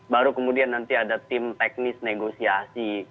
baru kemudian nanti ada tim teknis negosiasi